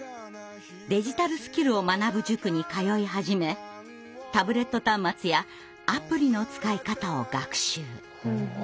デジタルスキルを学ぶ塾に通い始めタブレット端末やアプリの使い方を学習。